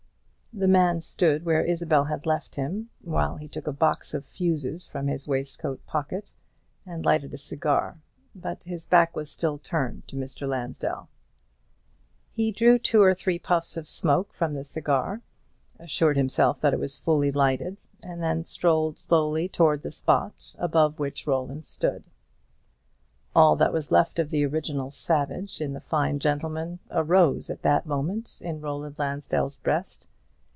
The man stood where Isabel had left him, while he took a box of fusees from his waistcoat pocket and lighted a cigar; but his back was still turned to Mr. Lansdell. He drew two or three puffs of smoke from the cigar, assured himself that it was fully lighted, and then strolled slowly towards the spot above which Roland stood. All that was left of the original savage in the fine gentleman arose at that moment in Roland Lansdell's breast.